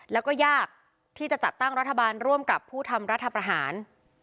แล้วก็ยากที่จะจัดตั้งรัฐบาลร่วมกับผู้ทำรัฐประหาร